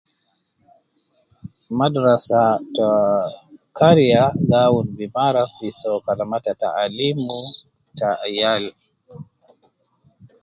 Madrasa taa kariya gaawunu bimara fi so kalama ta taalim ta yal